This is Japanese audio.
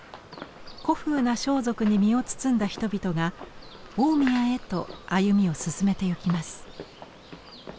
古風な装束に身を包んだ人々が大宮へと歩みを進めてゆきます。